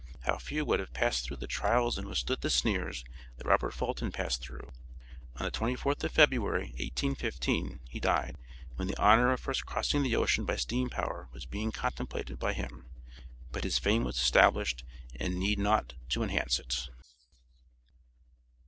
How few would have passed through the trials and withstood the sneers that Robert Fulton passed through. On the 24th of February, 1815, he died, when the honor of first crossing the ocean by steam power was being contemplated by him, but his fame was established, and need naught to enhance it.